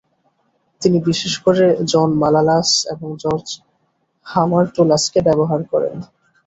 তিনি বিশেষ করে জন মালালাস এবং জর্জ হামার্টোলাসকে ব্যবহার করেন ।